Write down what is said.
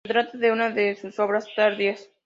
Se trata de una de sus obras tardías.